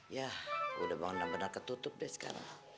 yah udah bener bener ketutup deh sekarang